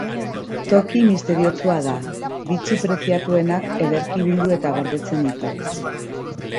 Toki misteriotsua da, bitxi preziatuenak ederki bildu eta gordetzen ditu.